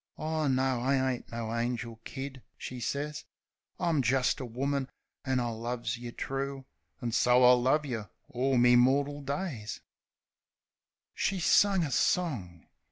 "Ah, no, I ain't no angel. Kid," she says. "I'm jist a woman, an' I loves yeh true! An' so I'll love yeh all me mortal days 1" She sung a song.